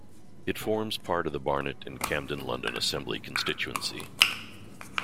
It forms part of the Barnet and Camden London Assembly constituency.